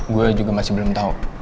gue juga masih belum tahu